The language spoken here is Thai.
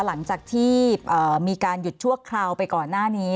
หลังจากที่มีการหยุดชั่วคราวไปก่อนหน้านี้